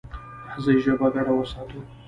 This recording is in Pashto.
راځئ ژبه ګډه وساتو.